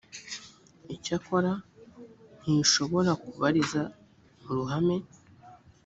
icyakora ntishobora kubariza mu ruhame